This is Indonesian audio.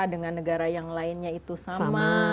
dengan negara yang lainnya itu sama